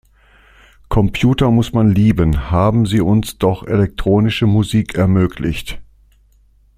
Computer muss man lieben, haben sie uns doch elektronische Musik ermöglicht.